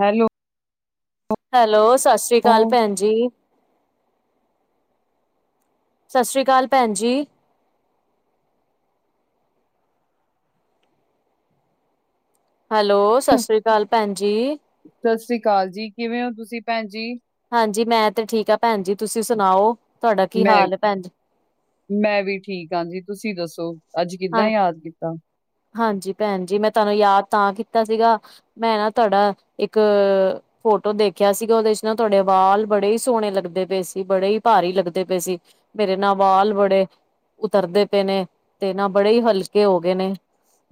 Hello hello ਸਤਿ ਸ਼੍ਰੀ ਅਕਾਲ ਭੈਣ ਜੀ। ਸਤਿ ਸ਼੍ਰੀ ਅਕਾਲ ਭੈਣ ਜੀ। ਹੈਲੋ ਸਤਿ ਸ਼੍ਰੀ ਅਕਾਲ ਭੈਣ ਜੀ। ਸਤਿ ਸ੍ਰੀ ਅਕਾਲ ਜੀ ਕਿਵੇਂ ਹੋ ਤੁਸੀਂ ਭੈਣ ਜੀ। ਹਾਂਜੀ ਮੈਂ ਤੇ ਠੀਕ ਆਾਂ ਭੈਣ ਜੀ ਤੁਸੀਂ ਸੁਣਾਓ? ਤੁਹਾਡਾ ਕੀ ਹਾਲ ਹੈ ਮੈਂ ਭੈਣ ਜੀ ਮੈਂ ਵੀ ਠੀਕ ਹਾਂ ਜੀ ਤੁਸੀਂ ਦੱਸੋ ਅੱਜ ਹਾਂ ਕਿੱਦਾਂ ਯਾਦ ਕੀਤਾ ਹਾਂਜੀ ਭੈਣ ਜੀ ਮੈਂ ਤੁਹਾਨੂੰ ਯਾਦ ਤਾਂ ਕੀਤਾ ਸੀਗਾ ਮੈਂ ਨਾ ਤੁਹਾਡਾ ਇੱਕ ਫੋਟੋ ਦੇਖਿਆ ਸੀਗਾ ਉਹਦੇ ਚ ਨਾ ਤੁਹਾਡੇ ਵਾਲ ਬੜੇ ਹੀ ਸੋਹਣੇ ਲੱਗਦੇ ਪਏ ਸੀ ਬੜੇ ਹੀ ਭਾਰੀ ਲੱਗਦੇ ਪਏ ਸੀ ਮੇਰੇ ਨਾਲ ਵਾਲ ਬੜੇ ਉਤਰ ਦੇ ਪਏ ਨੇ ਤੇ ਨਾ ਬੜੇ ਹੀ ਹਲਕੇ ਹੋ ਗਏ ਨੇ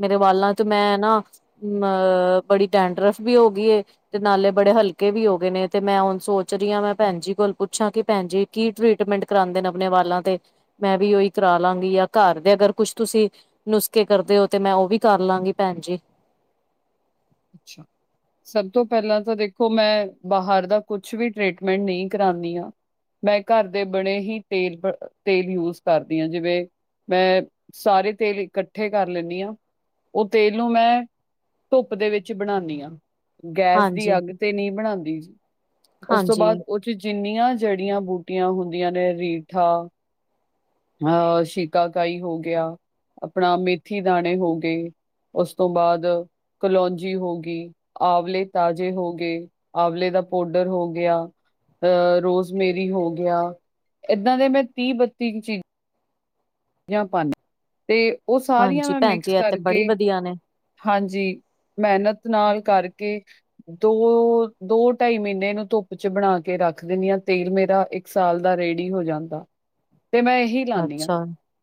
ਮੇਰੇ ਵਾਲਾਂ ਤੇ ਮੈਂ ਨਾ ਅ ਬੜੀ ਟੈਂਡਰਫ ਵੀ ਹੋ ਗਈ ਤੇ ਨਾਲੇ ਬੜੇ ਹਲਕੇ ਵੀ ਹੋ ਗਏ ਨੇ ਤੇ ਮੈਂ ਹੁਣ ਸੋਚ ਰਹੀ ਹਾਂ ਮੈਂ ਭੈਣ ਜੀ ਕੋਲ ਪੁੱਛਾਂ ਕੀ ਭੈਣ ਜੀ ਕੀ ਟ੍ਰੀਟਮੈਂਟ ਕਰਾਾਂਦੇ ਨੇ ਆਪਣੇ ਵਾਲਾਂ ਤੇ ਮੈਂ ਵੀ ਉਓਹੀ ਕਰਾ ਲਾਂਗੀ ਜਾਂ ਘਰ ਦੇ ਅਗਰ ਕੁਛ ਤੁਸੀਂ ਨੁਸਖੇ ਕਰਦੇ ਹੋ ਤੇ ਮੈਂ ਉਹ ਵੀ ਕਰ ਲਾਂਗੀ ਭੈਣ ਜੀ ਅੱਛਾ ਸਭ ਤੋਂ ਪਹਿਲਾਂ ਤਾਂ ਦੇਖੋ ਮੈਂ ਬਾਹਰ ਦਾ ਕੁਛ ਵੀ ਟ੍ਰੀਟਮੈਂਟ ਨਹੀਂ ਕਰਾਉਂਦੀ ਹਾਂ ਮੈਂ ਘਰ ਦੇ ਬਣੇੇ ਹੀ ਤੇਲ ਤੇਲ ਯੂਜ ਕਰਦੀ ਹਾਂ ਜਿਵੇਂ ਮੈਂ ਸਾਰੇ ਤੇਲ ਇਕੱਠੇ ਕਰ ਲੈਂਦੀ ਹਾਂ ਉਹ ਤੇਲ ਨੂੰ ਮੈਂ ਧੁੱਪ ਦੇ ਵਿੱਚ ਬਣਾਉਨੀ ਆ ਗੈਸ ਦੀ ਹਾਂਜੀ ਅੱਗ ਤੇ ਨਹੀਂ ਬਣਾਦੀ ਉਸ ਤੋਂ ਹਾਂਜੀ ਬਾਅਦ ਜਿੰਨੀਆਂ ਜੜੀਆਂ ਬੂਟੀਆਂ ਹੁੰਦੀਆਂ ਨੇ ਰੀਠਾ ਅ ਸ਼ਿਕਾਕਾਈ ਹੋ ਗਿਆ ਆਪਣਾ ਮੇਥੀ ਦਾਣੇ ਹੋ ਗਏ ਉਸ ਤੋਂ ਬਾਅਦ ਕਲੋਂ ਹੋ ਗਈ ਆਵਲੇ ਤਾਜ਼ੇ ਹੋ ਗਏ, ਆਵਲੇ ਦਾ ਪਾੋਡਰ ਹੋ ਗਿਆ ਅਹ ਰੋਜ਼ਮੇਰੀ ਹੋ ਗਿਆ ਇੱਦਾਂ ਦੇ ਮੈਂ ਤੀਹ ਬੱਤੀ ਚੀਜ਼ਾਂ ਜਾਂ ਭਾਨ ਤੇ ਉਹ ਸਾਰੀਆਂ ਹਾਂਜੀ ਮੈਂ ਭੈਣ ਜੀ ਮਿਕਸ ਇਹ ਤੇ ਬੜੀ ਕਰਕੇ ਵਧੀਆ ਨੇ ਹਾਂਜੀ ਮਿਹਨਤ ਨਾਲ ਕਰਕੇ ਦੋ -ਦੋ ਢਾਈ ਮਹੀਨੇ ਇਹਨੂੰ ਧੁੱਪ 'ਚ ਬਣਾ ਕੇ ਰੱਖ ਦਿੰਦੀ ਹਾਂ ਤੇਲ ਮੇਰਾ ਇੱਕ ਇੱਕ ਸਾਲ ਦਾ ਰੇਡੀ ਹੋ ਜਾਂਦਾ ਤੇ ਮੈਂ ਇਹੀ ਲਾਨੀ ਆ। ਅੱਛਾ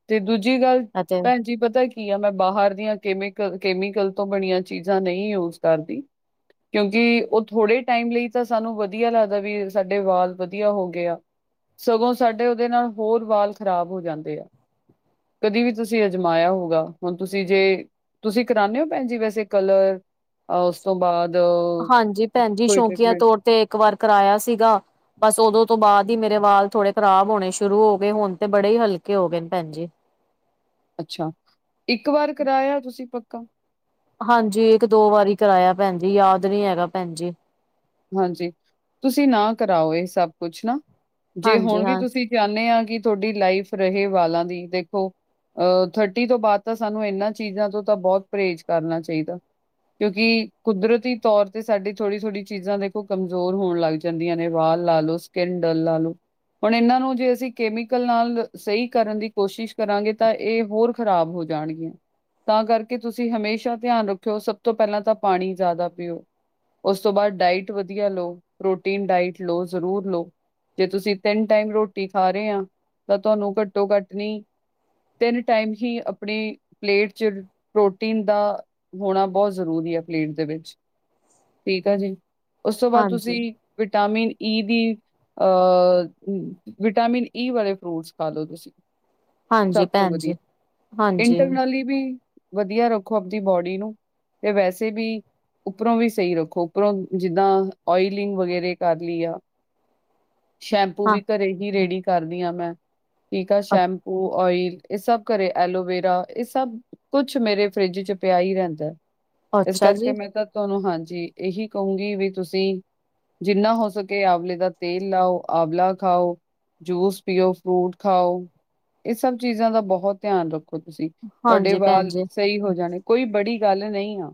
ਤੇ ਦੂਜੀ ਗੱਲ ਅਤੇ ਭੈਣ ਹਾਂਜੀ ਪਤਾ ਕੀ ਆ ਮੈਂ ਬਾਹਰ ਦੀਆਂ ਕਮੀਕਲ ਕੈਮੀਕਲ ਤੋਂ ਬਣੀਆਂ ਚੀਜ਼ਾਂ ਨਹੀਂ ਯੂਜ ਕਰਦੀ ਕਿਉਂਕਿ ਉਹ ਥੋੜੇ ਟਾਈਮ ਲਈ ਤਾਂ ਸਾਨੂੰ ਵਧੀਆ ਲੱਗਦਾ ਵੀ ਸਾਡੇ ਵਾਲ ਵਧੀਆ ਹੋ ਗਏ ਆ ਸਗੋਂ ਸਾਡੇ ਉਹਦੇ ਨਾਲ ਹੋਰ ਵਾਲ ਖ਼ਰਾਬ ਹੋ ਜਾਂਦੇ ਆ ਕਦੀ ਵੀ ਤੁਸੀਂ ਅਜਮਾਇਆ ਹੋਊਗਾ ਹੁਣ ਤੁਸੀਂ ਜੇ ਤੁਸੀਂ ਕਰਾਉਂਦੇ ਹੋ ਭੈਣ ਜੀ ਵੈਸੇ ਕਲਰ ਉਸ ਤੋਂ ਬਾਅਦ ਹਾਂਜੀ ਭੈਣ ਜੀ ਕੋਈ ਸ਼ੌਕੀਆ ਟਰੀਟਮੈਂਟ ਤੌਰ ਤੇ ਇੱਕ ਵਾਰ ਕਰਾਇਆ ਸੀਗਾ ਬਸ ਉਦੋਂ ਤੋਂ ਬਾਅਦ ਹੀ ਮੇਰੇ ਵਾਲ ਥੋੜੇ ਖ਼ਰਾਬ ਹੋਣੇ ਸ਼ੁਰੂ ਹੋ ਗਏ ਹੁਣ ਤੇ ਬੜੇ ਹੀ ਹਲਕੇ ਹੋ ਗਏ ਨੇ ਭੈਣ ਜੀ ਅੱਛਾ ਇੱਕ ਵਾਰ ਕਰਾਇਆ ਤੁਸੀਂ ਪੱਕਾ ਹਾਂਜੀ ਇੱਕ ਦੋ ਵਾਰੀ ਕਰਾਇਆ ਭੈਣ ਜੀ ਯਾਦ ਨੀ ਹੈਗਾ ਭੈਣ ਜੀ ਹਾਂਜੀ ਤੁਸੀਂ ਨਾ ਕਰਾਓ ਇਹ ਸਭ ਕੁਛ ਨਾ ਜੇ ਹਾਂਜੀ ਹੁਣ ਵੀ ਹਾਂ ਤੁਸੀਂ ਚਾਹਣੇ ਹਾਂ ਕਿ ਤੁਹਾਡੀ ਲਾਈਫ ਰਹੇ ਵਾਲਾਂ ਦੀ ਦੇਖੋ। ਅ ਥਰਟੀ ਤੋਂ ਬਾਅਦ ਤਾਂ ਸਾਨੂੰ ਇਹਨਾਂ ਚੀਜ਼ਾਂ ਤੋਂ ਤਾਂ ਬਹੁਤ ਪਰਹੇਜ਼ ਕਰਨਾ ਚਾਹੀਦਾ। ਕਿਉਂਕਿ ਕੁਦਰਤੀ ਤੌਰ ਤੇ ਸਾਡੀ ਥੋੜੀ -ਥੋੜੀ ਚੀਜ਼ਾਂ ਦੇਖੋ ਕਮਜ਼ੋਰ ਹੋਣ ਲੱਗ ਜਾਂਦੀਆਂ ਨੇ ਵਾਲਾਹ ਲਾ ਲਓ ਸਕਿਨ ਡੱਲ ਲਾ ਲਓ। ਹੁਣ ਇਹਨਾਂ ਨੂੰ ਜੇ ਅਸੀਂ ਕੈਮੀਕਲ ਨਾਲ ਸਹੀ ਕਰਨ ਦੀ ਕੋਸ਼ਿਸ਼ ਕਰਾਂਗੇ ਤਾਂ ਇਹ ਹੋਰ ਖ਼ਰਾਬ ਹੋ ਜਾਣਗੀਆਂ। ਤਾਂ ਕਰਕੇ ਤੁਸੀਂ ਹਮੇਸ਼ਾ ਧਿਆਨ ਰੱਖਿਓ ਸਭ ਤੋਂ ਪਹਿਲਾਂ ਤਾਂ ਪਾਣੀ ਜ਼ਿਆਦਾ ਪੀਓ। ਉਸ ਤੋ ਬਾਦ ਡਾਇਟ ਵਧੀਆ ਲਓ ਪ੍ਰੋਟੀਨ ਡਾਇਟ ਲਓ ਜ਼ਰੂਰ ਲਓ। ਜੇ ਤੁਸੀਂ ਤਿੰਨ ਟਾਈਮ ਰੋਟੀ ਖਾ ਰਹੇ ਆ ਤਾਂ ਤੁਹਾਨੂੰ ਘੱਟੋ ਘੱਟ ਨੀ ਤਿੰਨ ਟਾਈਮ ਹੀ ਆਪਣੀ ਪਲੇਟ 'ਚ ਪ੍ਰੋਟੀਨ ਦਾ ਹੋਣਾ ਬਹੁਤ ਜ਼ਰੂਰੀ ਹੈ ਪਲੇਟ ਦੇ ਵਿੱਚ ਠੀਕ ਆ ਜੀ ਉਸ ਤੋਂ ਬਾਅਦ ਹਾਂਜੀ ਤੁਸੀਂ ਵਿਟਾਮਿਨ ਈ ਦੀ ਅ ਵਿਟਾਮਿਨ ਈ ਵਾਲੇ ਫਰੂਟਸ ਖਾ ਲਓ ਤੁਸੀਂ ਹਾਂਜੀ ਸਭ ਤੋਂ ਭੈਣ ਜੀ ਵਧੀਆ ਹਾਂਜੀ ਇੰਟਰਨਲੀ ਵੀ ਵਧੀਆ ਰੱਖੋ ਆਪਦੀ ਬੋਡੀ ਨੂੰ ਤੇ ਵੈਸੇ ਵੀ ਉੱਪਰੋਂ ਵੀ ਸਹੀ ਰੱਖੋ। ਉਪਰੋਂ ਜਿੱਦਾਂ ਓਇਲਿੰਗ ਵਗੈਰੇ ਕਰ ਲਈ ਆ। ਸ਼ੈਂਪੂ ਹਾਂ ਵੀ ਘਰੇ ਹੀ ਰੇਡੀ ਕਰਦੀ ਹਾਂ ਮੈਂ ਠੀਕ ਆ ਸ਼ੈਮਪੂ ਓਇਲ ਇਹ ਸਭ ਘਰੇ ਐਲੋਵੇਰਾ ਇਹ ਸਭ ਕੁਛ ਮੇਰੇ ਫਰਿੱਜ 'ਚ ਪਿਆ ਹੀ ਰਹਿੰਦਾ। ਇਸ ਅੱਛਾ ਕਰਕੇ ਜੀ ਮੈਂ ਤਾਂ ਤੁਹਾਨੂੰ ਹਾਂਜੀ ਇਹੀ ਕਹੂੰਗੀ ਵੀ ਤੁਸੀਂ ਜਿੰਨਾ ਹੋ ਸਕੇ ਆਵਲੇ ਦਾ ਤੇਲ ਲਾਓ ਆਵਲਾ ਖਾਓ। ਜੂਸ ਪੀਓ ਫਰੂਟ ਖਾਓ ਇਹ ਸਭ ਚੀਜ਼ਾਂ ਦਾ ਬਹੁਤ ਧਿਆਨ ਰੱਖ। ਖੋ ਤੁਸੀਂ ਤੁਹਾਡੇ ਹਾਂਜੀ ਭੈਣ ਵਾਲ ਜੀ ਸਹੀ ਹੋ ਜਾਣੇ ਕੋਈ ਬੜੀ ਗੱਲ ਨਹੀਂ ਆ।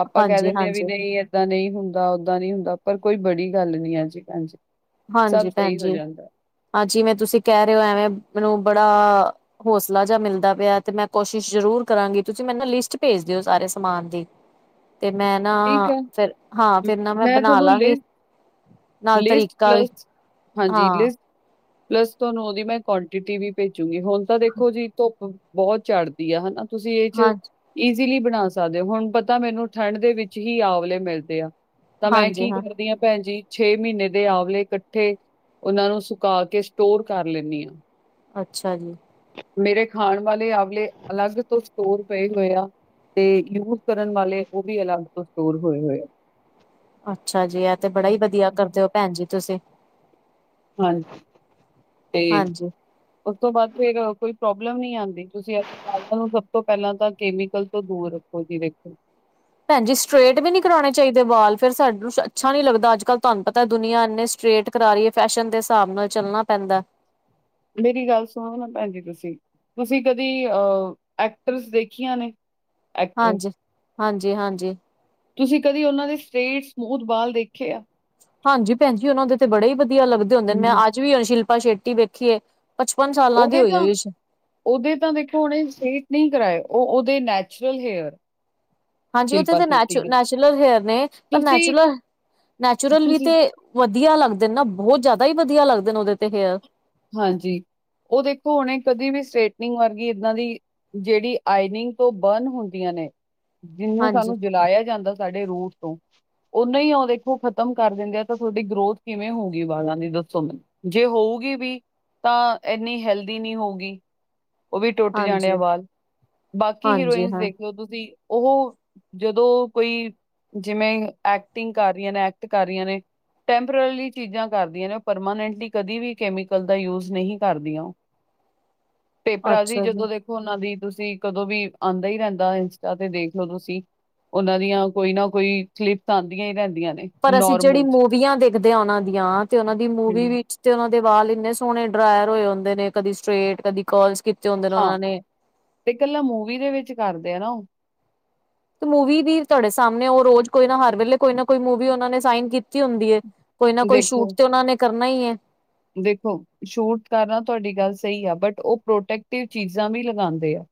ਆਪਾਂ ਕਹਿ ਹਾਂਜੀ ਦਿੰਦੇ ਹਾਂ ਵੀ ਹਾਂਜੀ ਨਹੀਂ। ਏਦਾਂ ਨਹੀਂ ਹੁੰਦਾ ਓਦਾਂ ਨਹੀਂ ਹੁੰਦਾ ਪਰ ਕੋਈ ਬੜੀ ਗੱਲ ਨਹੀਂ ਹੈ ਜੀ ਅੱਜ ਕੱਲ 'ਚ ਹਾਂਜੀ ਭੈਣ ਜੀ ਹਾਂ ਜਿਵੇਂ ਤੁਸੀਂ ਕਹਿ ਰਹੇ ਹੋ ਐਵੇਂ ਮੈਨੂੰ ਬੜਾ ਹੌਸਲਾ ਜਿਹਾ ਮਿਲਦਾ ਪਿਆ ਤੇ ਮੈਂ ਕੋਸ਼ਿਸ਼ ਜ਼ਰੂਰ ਕਰਾਂਗੀ ਤੁਸੀਂ ਮੈ ਨਾ ਲਿਸਟ ਭੇਜ ਦਿਓ ਸਾਰੇ ਸਮਾਨ ਦੀ ਤੇ ਮੈਂ ਨਾ ਠੀਕ ਆ ਫਿਰ ਹਾਂ ਫਿਰ ਨਾ ਮੈਂ ਬਣਾ ਤੁਹਾਨੂੰ ਲਾਂਗੀ ਲਿਸਟ ਨਾਲ ਤਰੀ ਲਿਸਟ ਪਲੱਸ ਹਾਂਜੀ ਲਿਸਟ ਪਲੱਸ ਤੁਹਾਨੂੰ ਉਹਦੀ ਮੈਂ ਕੁਆਂਟਿਟੀ ਵੀ ਭੇਜੂਗੀ ਹੁਣ ਤਾਂ ਦੇਖੋ ਜੀ ਧੁੱਪ ਬਹੁਤ ਚੜ੍ਹਦੀ ਆ ਹਨਾ ਤੁਸੀਂ ਇਹ 'ਚ ਹਾਂ ਈਜ਼ੀਲੀ ਬਣਾ ਸਕਦੇ ਹੋ ਹੁਣ ਪਤਾ ਮੈਨੂੰ ਠੰਡ ਦੇ ਵਿੱਚ ਹੀ ਆਂਵਲੇ ਮਿਲਦੇ ਆ। ਤਾਂ ਮੈਂ ਕੀ ਕਰਦੀ ਹਾਂ ਭੈਣ ਜੀ। ਛੇ ਮਹੀਨੇ ਦੇ ਆਵਲੇ ਇਕੱਠੇ ਉਹਨਾਂ ਨੂੰ ਸੁਕਾ ਕੇ ਸਟੋਰ ਕਰ ਲੈਂਦੀ ਆਂ। ਅੱਛਾ ਜੀ ਮੇਰੇ ਖਾਣ ਵਾਲੇ ਆਵਲੇ ਅਲੱਗ ਤੋਂ ਸਟੋਰ ਪਏ ਹੋਏ ਆ। ਤੇ ਯੂਜ ਕਰਨ ਵਾਲੇ ਉਹ ਵੀ ਅਲੱਗ ਤੋਂ ਸਟੋਰ ਹੋਏ ਹੋਏ ਆ। ਅੱਛਾ ਜੀ ਇਹ ਤੇ ਬੜਾ ਹੀ ਵਧੀਆ ਕਰਦੇ ਹੋ ਭੈਣ ਜੀ ਤੁਸੀਂ ਹਾਂਜੀ ਤੇ ਹਾਂਜੀ ਉਸ ਤੋਂ ਬਾਅਦ ਫੇਰ ਕੋਈ ਪ੍ਰੋਬਲਮ ਨੀ ਆਉਂਦੀ ਤੁਸੀਂ ਨੂੰ ਸਭ ਤੋਂ ਪਹਿਲਾਂ ਤਾਂ ਕੈਮੀਕਲ ਤੋਂ ਦੂਰ ਹੋਜੀ ਦੇਖੋ। ਭੈਣਜੀ ਸਟਰੇਟ ਵੀ ਨੀ ਕਰਾਉਣੇ ਚਾਹੀਦੇ ਵਾਲ ਫਿਰ ਸਾਨੂੰ ਅੱਛਾ ਨੀ ਲੱਗਦਾ ਅੱਜ ਕੱਲ੍ਹ ਤੁਹਾਨੂੰ ਪਤਾ ਦੁਨੀਆਂ ਇੰਨੇ ਸਟਰੇਟ ਕਰਾਰੀਏ ਫੈਸ਼ਨ ਦੇ ਹਿਸਾਬ ਨਾਲ ਚੱਲਣਾ ਪੈਂਦਾ। ਮੇਰੀ ਗੱਲ ਸੁਣੋ ਨਾ ਭੈਣ ਜ ਤੁਸੀਂ- ਤੁਸੀਂ ਕਦੀ ਅਹ ਐਕਟਰਸ ਦੇਖੀਆਂ ਨੇ। ਐਕਟਰ ਹਾਂਜੀ -ਹਾਂਜੀ -ਹਾਂਜੀ ਤੁਸੀਂ ਕਦੀ ਉਹਨਾਂ ਦੇ ਸਟੇਟ ਸਮੂਥ ਬਾਲ ਦੇਖੇ ਆ ਹਾਂਜੀ ਭੈਣ ਜ ਉਹਨਾਂ ਦੇ ਤੇ ਬੜੇ ਹੀ ਵਧੀਆ ਲੱਗਦੇ ਹੁੰਦੇ ਮੈਂ ਹਮ, ਅੱਜ ਵੀ ਸ਼ਿਲਪਾ ਸ਼ੇਟੀ ਵੇਖੀਏ ਪਚਪਨ ਸਾਲਾਂ ਦੀ ਉਹਦੇ ਹੋਈ ਤਾਂ ਹੋਈ ਉਹਦੇ ਤਾਂ ਦੇਖੋ ਉਹਨੇ ਸਟੇਟ ਨਹੀਂ ਕਰਵਾਏ ਉਹ ਉਹਦੇ ਨੈਚੁਰਲ ਹੇਅਰ ਹਾਂਜੀ ਉੱਥੇ ਸ਼ਿਲਪਾ ਤਾਂ ਨੈਚ ਸ਼ੈਟੀ ਦੇ ਨੈਚੁਰਲ ਹੇਅਰ ਨੇ ਪਰ ਤੁਸੀਂ ਨੈਚੁਰਲ ਨੈਚੁਰਲ ਵੀ ਤੁਸੀਂ ਤੇ ਵਧੀਆ ਲੱਗਦੇ ਨੇ ਨਾ ਬਹੁਤ ਜ਼ਿਆਦਾ ਹੀ ਵਧੀਆ ਲੱਗਦੇ ਨੇ ਉਹਦੇ ਤੇ ਫੇਅਰ ਹਾਂਜੀ ਉਹ ਦੇਖੋ ਹੁਣੇ ਕਦੇ ਵੀ ਸਟ੍ਰੇਟਨਿੰਗ ਵਰਗੀ ਇੱਦਾਂ ਦੀ ਜਿਹੜੀ ਆਈਨਿੰਗ ਤੋਂ ਬਰਨ ਹੁੰਦੀਆਂ ਨੇ ਜਿਹਨੂੰ ਹਾਂਜੀ ਸਾਨੂੰ ਜਲਾਇਆ ਜਾਂਦਾ ਸਾਡੇ ਰੂਟ ਉਹਨ ਹੀ ਉਹ ਦੇਖੋ ਖਤਮ ਕਰ ਦਿੰਦੇ ਆ ਤਾਂ ਤੁਹਾਡੀ ਗਰੋਥ ਕਿਵੇਂ ਹੋ ਗਈ ਵਾਲਾਂ ਦੀ ਦੱਸੋ ਮੈਨੂੰ ਜੇ ਹੋਊਗੀ ਵੀ ਤਾਂ ਇਨੀ ਹੈਲਦੀ ਨਹੀਂ ਹੋਊਗੀ ਉਹ ਵੀ ਟੁੱਟ ਜਾਣ ਆ ਹਾਂਜੀ ਵਾਲ ਬਾਕੀ ਹਾਂਜੀ ਹੀਰੋਇਨਸ ਹਾਂ ਦੇਖਿਓ ਤੁਸੀਂ ਉਹ ਜਦੋਂ ਕੋਈ ਜਿਵੇਂ ਐਕਟਿੰਗ ਕਰ ਰਹੀਆਂ ਨੇ ਐਕਟ ਕਰ ਰਹੀਆਂ ਨੇ ਟੈਂਪਰਰਲੀ ਚੀਜ਼ਾਂ ਕਰਦੀਆਂ ਨੇ ਉਹ ਪਰਮਾਨੈਂਟਲੀ ਕਦੀ ਵੀ ਦਾ ਯੂਜ ਨਹੀਂ ਕਰਦੀਆਂ ਉਹ ਪੇਪਰਾਂ ਦੀ ਅੱਛਾ ਜੀ ਜਦੋਂ ਦੇ ੋ ਉਹਨਾਂ ਦੀ ਤੁਸੀਂ ਕਦੋਂ ਵੀ ਆਉਂਦਾ ਹੀ ਰਹਿੰਦਾ ਇੰਸਟਾ ਤੇ ਦੇਖਲਓ ਤੁਸੀਂ ਉਹਨਾਂ ਦੀਆਂ ਕੋਈ ਨਾ ਕੋਈ ਕਲੀਿਫਤ ਆਉਂਦੀਆਂ ਹੀ ਰਹਿੰਦੀਆਂ ਨੇ ਪਰ ਅਸੀਂ ਜਿਹੜੀ ਨੋਰਮਲ ਚ ਮੂਵੀਆਂ ਦੇਖਦੇ ਹਾਂ ਉਹਨਾਂ ਦੀਆਂ ਤੇ ਉਹਨਾਂ ਦੀ ਮੂਵੀ ਹੂੰ। ਵਿੱਚ ਉਹਨਾਂ ਦੇ ਵਾਲ ਇੰਨੇ ਸੋਹਣੇ ਡਰਾਇਰ ਹੋਏ ਹੁੰਦੇ ਨੇ ਕਦੀ ਸਟ੍ਰਰੇਟ ਕਦੀ ਕਲਸ ਕੀਤੇ ਹੁੰਦੇ ਨੇ ਹਾਂ ਉਹਨਾਂ ਨੇ ਤੇ ਇਕੱਲਾ ਮੂਵੀ ਦੇ ਵਿੱਚ ਕਰਦੇ ਆ ਨਾ ਉਹ ਤੇ ਮੂਵੀ ਵੀ ਤੁਹਾਡੇ ਸਾਮਣੇ ਓ ਰੋਜ਼ ਕੋਈ ਨਾ ਹਰ ਵੇਲੇ ਕੋਈ ਨਾ ਕੋਈ ਮੂਵੀ ਓਨਾ ਨੇ ਸਾਈਨ ਕੀਤੀ ਹੁੰਦੀ ਏ। ਕੋਈ ਨਾ ਕੋਈ ਸ਼ੂਟ ਦੇਖੋ ਤੇ ਓਨਾ ਨੇ ਕਰਨਾ ਈ ਐ। ਦੇਖੋ ਸ਼ੂਟ ਕਰਨਾ ਤੁਹਾਡੀ ਗੱਲ ਸਈ ਆ ਬਟ ਉਹ ਪ੍ਰੋਟੈਕਟਿਵ ਚੀਜ਼ਾਂ ਵੀ ਲਗਾਂਦੇ ਆ।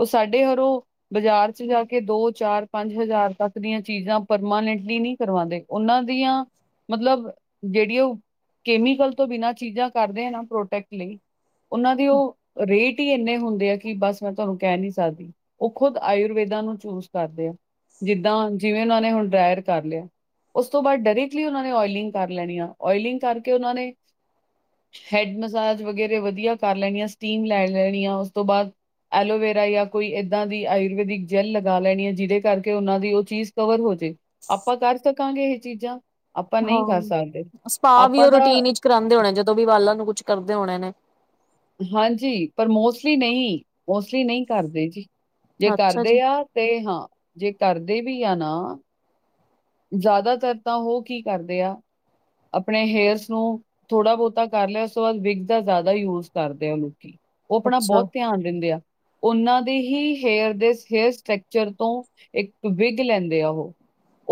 ਉਹ ਸਾਡੇ ਹਰੋਂ ਬਾਜ਼ਾਰ ਚ ਜਾ ਕੇ ਦੋ ਚਾਰ ਪੰਜ ਹਜ਼ਾਰ ਤੱਕ ਦੀਆਂ ਚੀਜ਼ਾਂ ਪਰਮਾਨੈਂਟਲੀ ਨੀ ਕਰਵਾਉਂਦੇ। ਓਨਾਂ ਦੀਆਂ ਮਤਲਬ ਜੇੜੇ ਓ ਕੈਮੀਕਲ ਤੋਂ ਬਿਨਾਂ ਚੀਜ਼ਾਂ ਕਰਦੇ ਆ ਨਾ ਪ੍ਰੋਟੈਕਟ ਲਈ ਓਨਾਂ ਦੇ ਓ ਰੇਟ ਈ ਏਨੇ ਹੁੰਦੇ ਆ ਕਿ ਬਸ ਮੈਂ ਤੁਹਾਨੂੰ ਕੈ ਨੀ ਸਕਦੀ। ਆਈ ਖੁਦ ਆਯੁਰਵੇਦਾਂ ਨੂੰ ਚੂਜ਼ ਕਰਦੇ ਆ ਜਿੱਦਾਂ ਜਿਵੇਂ ਓਨਾਂ ਨੇ ਹੁਣ ਡਰਾਇਰ ਕਰ ਲਿਆ। ਉਸ ਤੋਂ ਬਾਅਦ ਡਾਇਰੈਕਟਲੀ ਓਨਾਂ ਨੇ ਓਇਲਿੰਗ ਕਰ ਲੈਣੀ ਆ ਓਇਲਿੰਗ ਕਰਕੇ ਓਨਾਂ ਨੇ ਹੈਡ ਮਸਾਜ ਵਗੈਰੇ ਵਧੀਆ ਕਰ ਲੈਣੀ ਆ ਸਟੀਮ ਲੈ ਲੈਣੀ ਆ ਉਸ ਤੋਂ ਬਾਦ ਐਲੋਵੇਰਾ ਜਾਂ ਕੋਈ ਇੱਦਾਂ ਦੀ ਆਯੁਰਵੇੈਦਿਕ ਜੈੱਲ ਲਗਾ ਲੈਣੀ ਹੈ ਜਿਹਦੇ ਕਰਕੇ ਉਹਨਾਂ ਦੀ ਉਹ ਚੀਜ਼ ਕਵਰ ਹੋ ਜਾਵੇ ਆਪਾਂ ਕਰ ਸਕਾਂਗੇ ਇਹ ਚੀਜ਼ਾਂ ਆਪਾਂ ਨਹੀਂ ਕਰ ਸਕਦੇ। ਹਾਂ ਸਪਾ ਵੀ ਆਪਾਂ ਉਹ ਤਾਂ ਰੂਟੀਨ ਵਿਚ ਕਰਾਉਂਦੇ ਹੋਣੇ ਜਦੋਂ ਵੀ ਵਾਲਾਂ ਨੂੰ ਕੁਛ ਕਰਦੇ ਹੋਣੇ ਨੇ ਹਾਂਜੀ ਪਰ ਮੋਸਟਲੀ ਨਹੀਂ ਮੋਸਟਲੀ ਨਹੀਂ ਕਰਦੇ ਜੀ ਜੇ ਅੱਛਾ ਜੀ, ਕਰਦੇ ਆ ਤੇ ਹਾਂ ਜੇ ਕਰਦੇ ਵੀ ਆ ਨਾ ਜ਼ਿਆਦਾਤਰ ਤਾਂ ਓਹ ਕੀ ਕਰਦੇ ਆ ਆਪਣੇ ਹੇਅਰਸ ਨੂੰ ਥੋੜਾ ਬੋਤਾ ਕਰ ਲਿਆ ਉਸ ਤੋਂ ਬਾਦਆ ਵਿਗ ਦਾ ਜਾਦਾ ਯੂਜ ਕਰਦੇ ਆ ਲੋਕੀ। ਓ ਆਪਣਾ ਅੱਛਾ, ਬਹਤ ਧਿਆਨ ਦਿੰਦੇ ਆ। ਓਨਾਂ ਦੀ ਹੀ, ਹੇਅਰ ਦੇ ਹੇਅਰ ਸਟਕਚਰ ਤੋਂ, ਇੱਕ ਵਿਗ ਲੈਂਦੇ ਆ ਉਹ।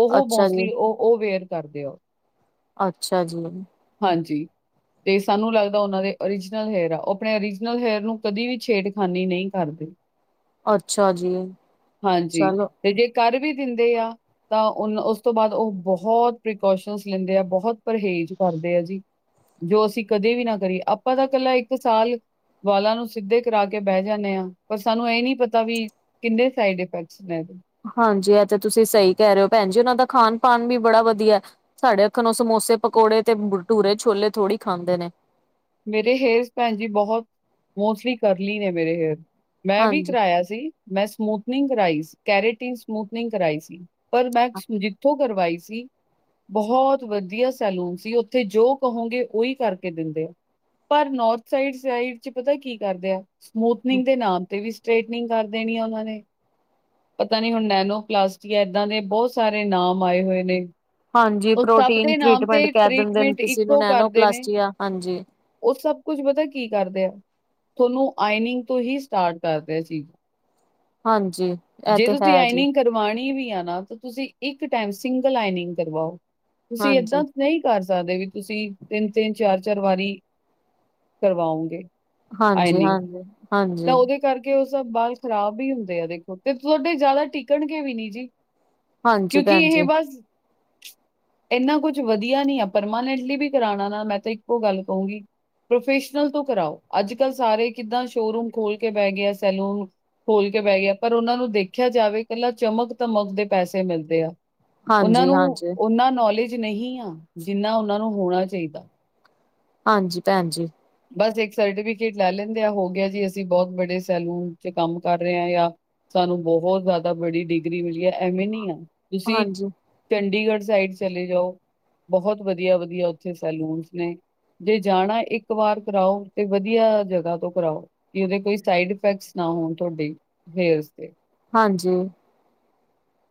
ਓਹ ਅੱਛਾ ਜੀ, ਮੋਸਟਲੀ ਓ ਓਹ ਵੇਅਰ ਕਰਦੇ ਆ ਓਹ। ਅੱਛਾ ਜੀ। ਹਾਂਜੀ। ਤੇ ਸਾਨੂੰ ਲੱਗਦਾ ਓਨਾਂ ਦੇ ਓਰੀਜਨਲ ਹੇਅਰ ਆ। ਉਹ ਆਪਣੇ ਓਰੀਜਨਲ ਹੇਅਰ ਨੂੰ ਕਦੀ ਵੀ ਛੇੜਖਾਨੀ ਨਹੀ ਕਰਦੇ। [inaudible] ਜੀ। ਹਾਂਜੀ ਚਲੋ ਤੇ ਜੇ ਕਰ ਵੀ ਦਿੰਦੇ ਆ ਤਾਂ ਓਨ ਓਸ ਤੋਂ ਬਾਦਅ ਓਹ ਬੋਹਤ ਪ੍ਰੀਕੋਸ਼ਨ ਲੈਂਦੇ ਆ ਬੋਹਤ ਪਰਹੇਜ਼ ਕਰਦੇ ਆ ਜੀ। ਜੋ ਅਸੀਂ ਕਦੇ ਵੀ ਨਾ ਕਰੀਏ ਆਪਾਂ ਤਾਂ ਇਕੱਲਾ ਇੱਕ ਸਾਲ ਵਾਲਾਂ ਨੂੰ ਸਿੱਧੇ ਕਰਾ ਕੇ ਬਹਿ ਜਾਂਨੇ ਆਂ ਪਰ ਸਾਨੂੰ ਏ ਨੀ ਪਤਾ ਵੀ ਕਿੰਨੇ ਸਾਈਡ ਇਫੈਕਟਸ ਨੇ ਏਦੇ। ਹਾਂਜੀ ਐ ਤੇ ਤੁਸੀਂ ਸਈ ਕੈ ਰੇ ਓ ਭੈਣ ਜੀ ਉਨਾਂ ਦਾ ਖਾਣ-ਪਾਂਨ ਵੀ ਬੜਾ ਵਧੀਆ। ਸਾਡੇ ਅੱਖ ਨੂੰ ਸਮੋਸੇ ਪਕੌੜੇ ਤੇ ਭਟੂਰੇ ਛੋਲੇ ਥੋੜ੍ਹੀ ਖਾਂਦੇ ਨੇ। ਮੇਰੇ ਹੇਅਰਜ ਭੈਣ ਜੀ ਬੋਹਤ ਮੋਸਟਲੀ ਕਰਲੀ ਨੇ ਮੇਰੇ ਹੇਅਰ। ਮੈਂ ਵੀ ਹਾਂਜੀ। ਕਰਾਇਆ ਸੀ ਮੈਂ ਸਮੂਥਨਿੰਗ ਕਰਾਈ ਕੈਰੇਟੀਨ ਸਮੂਥਨਿੰਗ ਕਰਾਈ ਸੀ। ਪਰ ਮੈਂ ਜਿੱਥੋਂ ਕਰਵਾਈ ਸੀ ਬਹੁਤ ਵਧੀਆ ਸੈਲੂਨ ਸੀ ਉੱਥੇ ਜੋ ਕਹੋਗੇ ਓਈ ਕਰਕੇ ਦਿੰਦੇ ਆ। ਪਰ ਨੋਰਥ ਸਾਈਡ-ਸਾਈਡ ਚ ਪਤਾ ਕੀ ਕਰਦੇ ਆ। ਸਮੂਥਨਿੰਗ ਦੇ ਨਾਮ ਤੇ ਵੀ। ਸਟ੍ਰੇਟਨਿੰਗ ਕਰ ਦੇਣੀ ਆ ਓਨਾ ਨੇ। ਪਤਾ ਨੀ ਹੁਣ ਨੈਨੋ ਕਲਾਸਟੀ ਏਦਾਂ ਦੇ ਬਹੁਤ ਸਾਰੇ ਨਾਮ ਆਏ ਹੋਏ ਨੇ। ਹਾਂਜੀ ਉਹ ਸਭ ਪ੍ਰੋਟੀਨ ਦੇ ਨਾਮ ਟ੍ਰੀਟਮੈਂਟ ਤੇ ਟ੍ਰੀਟਮੈਂਟ ਇਕੋ ਕਰਦੇ ਨੇ। ਕਿਆ ਹਾਂਜੀ। ਉਹ ਸਭ ਕੁਛ ਪਤਾ ਕੀ ਕਰਦੇ ਆ, ਤੁਹਾਨੂੰ ਆਇਨਿੰਗ ਤੋਂ ਹੀ ਸਟਾਰਟ ਕਰਦੇ ਆ ਜੀ। ਹਾਂਜੀ। ਇਹ ਜੇ ਤੇ ਹੈ ਤੁਸੀਂ ਜੀ ਆਈਨਿੰਗ ਕਰਵਾਣੀ ਵੀ ਆ ਨਾ ਤਾਂ ਤੁਸੀਂ ਇੱਕ ਟਾਈਮ ਸਿੰਗਲ ਆਈਨਿੰਗ ਕਰਵਾਓ। ਤੁਸੀਂ ਹਾਂਜੀ ਏਦਾਂ ਨਈ। ਕਰ ਸਕਦੇ ਵੀ ਤੁਸੀਂ ਤਿੰਨ-ਤਿੰਨ ਚਾਰ-ਚਾਰ ਵਾਰੀ ਕਰਵਾਓਗੇ। ਹਾਂਜੀ ਆਇਨਿਗ, ਹਾਂਜੀ ਤਾਂ ਹਾਂਜੀ ਉਹਦੇ ਕਰਕੇ ਉਹ ਸਭ ਵਾਲ ਖ਼ਰਾਬ ਵੀ ਹੁੰਦੇ ਆ। ਤੇ ਤੁਹਾਡੇ ਜਿਆਦਾ ਟਿਕਣਗੇ ਵੀ ਨੀ ਜੀ ਹਾਂਜੀ ਕਿਉਂਕਿ ਭੈਣ ਇਹ ਜੀ ਬਸ। ਇੰਨਾ ਕੁਝ ਵਧੀਆ ਨੀ ਆ। ਪਰਮਾਨੈਂਟਲੀ ਵੀ ਕਰਾਉਣਾ ਨਾ ਮੈਂ ਤਾਂ ਇੱਕੋ ਗੱਲ ਕਹੂੰਗੀ। ਪ੍ਰੋਫੈਸ਼ਨਲ ਤੋਂ ਕਰਾਓ। ਅੱਜ ਕੱਲ ਸਾਰੇ ਕਿੱਦਾਂ ਸ਼ੋਰੂਮ ਖੋਲ ਕੇ ਬਹਿ ਗਏ ਆ ਸੈਲੂਨ। ਖੋਲ ਕੇ ਬਹਿ ਗਏ ਆ ਪਰ ਉਹਨਾਂ ਨੂੰ ਦੇਖਿਆ ਜਾਵੇ ਇਕੱਲਾ ਚਮਕ ਦਮਕ ਦੇ ਪੈਸੇ ਮਿਲਦੇ ਆ। ਉਹਨਾਂ ਹਾਂਜੀ ਨੂੰ, ਹਾਂਜੀ ਉਨਾ ਨੌਲੇਜ ਨਹੀਂ ਆ, ਜਿੰਨਾ ਉਹਨਾਂ ਨੂੰ ਹੋਣਾ ਚਾਹੀਦਾ। ਹਾਂਜੀ ਭੈਣ ਜੀ। ਬਸ ਇੱਕ ਸਰਟੀਫਿਕੇਟ ਲੈ ਲੈਂਦੇ ਆ ਹੋ ਗਿਆ ਜੀ ਅਸੀਂ ਬਹੁਤ ਬੜੇ ਸੈਲੂਨ ਚ ਕੰਮ ਕਰ ਰਹੇ ਹਾਂ ਜਾਂ। ਸਾਨੂੰ ਬਹੁਤ ਜ਼ਿਆਦਾ ਬੜੀ ਡਿਗਰੀ ਮਿਲੀ ਹੈ ਐਵੇਂ ਨੀ ਆ ਤੁਸੀਂ। ਹਾਂਜੀ ਚੰਡੀਗੜ੍ਹ ਸਾਈਡ ਚਲੇ ਜਾਓ। ਬਹੁਤ ਵਧੀਆ, ਵਧੀਆ ਉੱਥੇ ਸੈਲੂਨਸ ਨੇ ਜੇ ਜਾਣਾ ਇੱਕ। ਇੱਕ ਵਾਰ ਕਰਾਓ ਤੇ ਵਧੀਆ ਜਗ੍ਹਾ ਤੋਂ ਕਰਾਓ ਕਿ ਉਹਦੇ ਕੋਈ ਸਾਈਡ ਇਫੈਕਟਸ ਨਾ ਹੋਣ ਤੁਹਾਡੇ। ਹੇਅਰ ਤੇ। ਹਾਂਜੀ,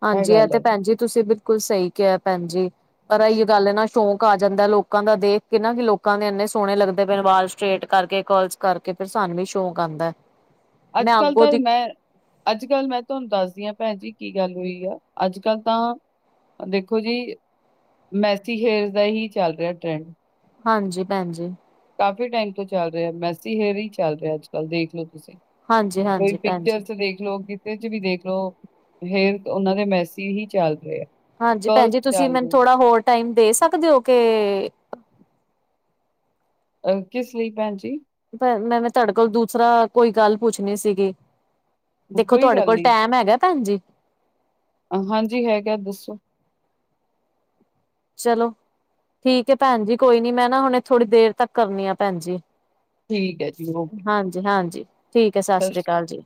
ਹਾਂਜੀ ਇਹ ਗੱਲ ਤੇ, ਹੈ ਭੈਣ ਜੀ, ਤੁਸੀਂ ਬਿਲਕੁਲ ਸਹੀ ਕਿਹਾ ਭੈਣ ਜੀ। ਪਰ ਇਹੀ ਗੱਲ ਆ ਨਾ ਸ਼ੌਂਕ ਆ ਜਾਂਦਾ ਲੋਕਾਂ ਦਾ ਦੇਖ ਕੇ ਨਾ ਕਿ ਲੋਕਾਂ ਦੇ ਇੰਨੇ ਸੋਹਣੇ ਲੱਗਦੇ ਪਏ ਆ ਵਾਲ ਸਟਰੇਟ ਕਰਕੇ। ਕਰਲਸ ਕਰਕੇ ਫਿਰ ਸਾਨੂੰ ਵੀ ਸ਼ੌਕ ਆਉਂਦਾ। ਅੱਜ ਮੈਂ ਕੱਲ੍ਹ ਅੱਗੋਂ ਤਾਂ ਦੀ ਮੈਂ। ਅੱਜ ਕੱਲ ਮੈਂ ਤੁਹਾਨੂੰ ਦੱਸਦੀ ਆ ਭੈਣ ਜੀ ਕੀ ਗੱਲ ਹੋਈ ਆ ਅੱਜ ਕੱਲ ਤਾਂ ਆ ਦੇਖੋ ਜੀ, ਮੈਸੀ ਹੇਅਰਸ ਦਾ ਏਹੀ ਚੱਲ ਰਿਹਾ ਟਰੈਂਡ। ਹਾਂਜੀ ਭੈਣ ਜੀ। ਕਾਫੀ ਟਾਈਮ ਤੋਂ ਚੱਲ ਰਿਆ ਮੈਸੀ ਹੇਅਰ ਹੀ ਚੱਲ ਰਿਆ ਅੱਜ ਕੱਲ ਦੇਖ ਲੋ ਤੁਸੀਂ। ਹਾਂਜੀ ਕੋਈ ਹਾਂਜੀ ਭੈਣ ਜੀ ਪਿਕਚਰਸ ਦੇਖ ਲਉ ਕਿ। ਚ ਵੀ ਦੇਖ ਲਉ ਹੇਅਰ ਓਨਾਂ ਦੇ ਮੈਸੀ ਹੀ ਚੱਲ ਰੇ ਐ। ਹਾਂਜੀ ਭੈਣ ਜੀ ਤੁਸੀਂ ਮੈਨੂੰ ਥੋੜਾ ਹੋਰ ਟਾਈਮ ਦੇ ਸਕਦੇ ਹੋ? ਕਿ ਅ ਕਿਸ ਲਈ ਭੈਣ ਜੀ ਪਰ ਮੈਂਵੇ ਤੁਹਾਡੇ ਕੋਲ ਦੂਸਰਾ ਕੋਈ ਗੱਲ ਪੁੱਛਣੀ ਸੀਗੀ ਦੇਖੋ ਕੋਈ ਤੁਹਾਡੇ ਗੱਲ ਕੋਲ ਨਹੀਂ, ਟੈਮ ਹੈਗਾ ਭੈਣ ਜੀ ਹਾਂਜੀ ਹੈਗਾ ਦੱਸੋ ਚਲੋ, ਠੀਕ ਹੈ, ਭੈਣ ਜੀ, ਕੋਈ ਨੀ ਮੈਂ ਨਾ ਹੁਣੇ ਥੋੜੀ ਦੇਰ ਤੱਕ ਕਰਨੀ ਆ ਭੈਣ ਜੀ। ਠੀਕ ਹੈ ਜੀ ਓਕੇ ਹਾਂਜੀ, ਹਾਂਜੀ, ਠੀਕ ਹੈ, ਸਤਿ ਸ੍ਰੀ ਅਕਾਲ ਜੀ।